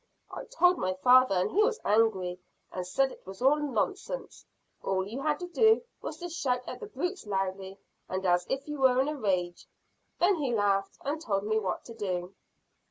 "I told my father, and he was angry and said it was all nonsense. All you had to do was to shout at the brutes loudly, and as if you were in a rage. Then he laughed, and told me what to do."